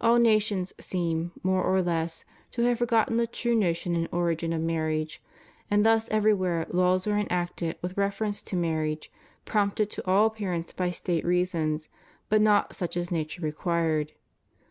All nations seem, more or less, to have forgotten the true notion and origin of marriage; and thus everywhere laws were enacted with reference to marriage, prompted to all appearance by State reasons, but not such as nature required.